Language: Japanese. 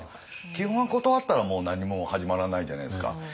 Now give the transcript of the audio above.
基本は断ったらもう何も始まらないじゃないですか。